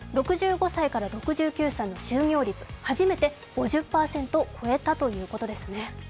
６５歳から６９歳の就業率初めて５０％を超えたということですね。